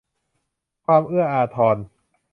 ความเอื้ออาทร